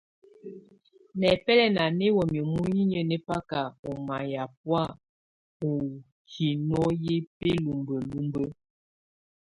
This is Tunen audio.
Nɛbɛlɛna nɛ wamɛ muninyə nɛbaka ɔ mayabɔa ɔ hino hɛ bilumbəlúmbə́.